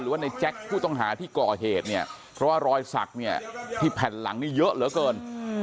หรือว่าในแจ็คผู้ต้องหาที่ก่อเหตุเพราะว่ารอยสักที่แผ่นหลังเยอะเหลือเกิน